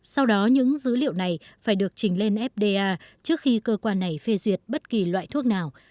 sau đó những dữ liệu này phải được trình lên fda trước khi cơ quan này phê duyệt bất kỳ loại thuốc nào